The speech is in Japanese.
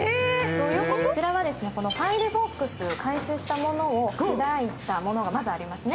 こちらはファイルボックスを回収したものを砕いたものがありますね。